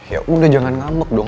ya udah jangan ngambek dong